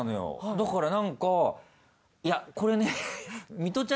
だからなんかいやこれね。